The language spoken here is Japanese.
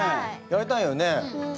やりたいよね。